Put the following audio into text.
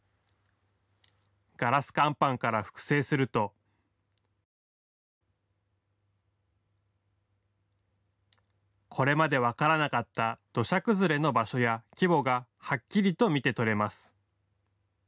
ガラス乾板から複製するとこれまで分からなかった土砂崩れの場所や規模がはっきりと見てとれます。